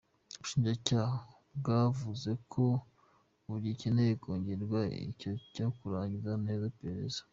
Ubushinjacyaha bwavuze ko bugikeneye kongererwa igihe cyo kurangiza neza iperereza.